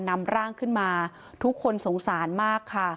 นำร่างขึ้นมาทุกคนสงสารมากค่ะ